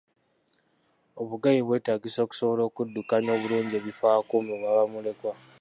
Obugabi bwetaagisa okusobola okuddukanya obulungi ebifo awakuumibwa bamulekwa.